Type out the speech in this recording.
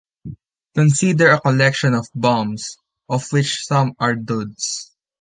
Consider a collection of bombs, of which some are duds.